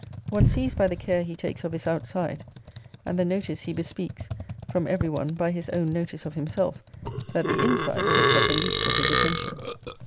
One sees by the care he takes of his outside, and the notice he bespeaks from every one by his own notice of himself, that the inside takes up the least of his attention.